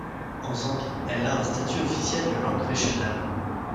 En Zambie, elle a un statut officiel de langue régionale.